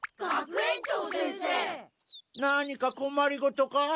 何かこまりごとか？